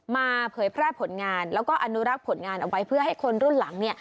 เผยแพร่ผลงานแล้วก็อนุรักษ์ผลงานเอาไว้เพื่อให้คนรุ่นหลังเนี่ย